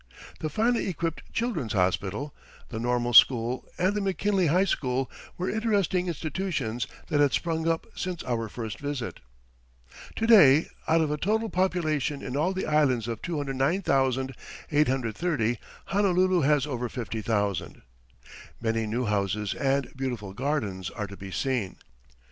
The finely equipped Children's Hospital, the Normal School, and the McKinley High School were interesting institutions that had sprung up since our first visit. To day, out of a total population in all the Islands of 209,830, Honolulu has over 50,000. Many new houses and beautiful gardens are to be seen.